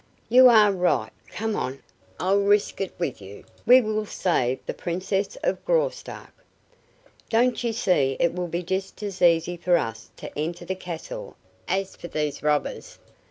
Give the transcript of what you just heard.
"You are right! Come on! I'll risk it with you. We will save the Princess of Graustark!" "Don't you see it will be just as easy for us to enter the castle as for these robbers?